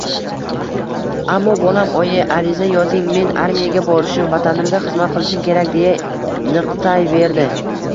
Ammo bolam Oyi, ariza yozing, men armiyaga borishim, vatanimga xizmat qilishim kerak, deya niqtayverdi